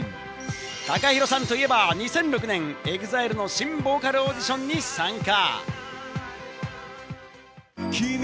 ＴＡＫＡＨＩＲＯさんといえば２００６年、ＥＸＩＬＥの新ボーカルオーディションに参加。